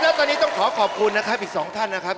แล้วตอนนี้ต้องขอขอบคุณนะครับอีกสองท่านนะครับ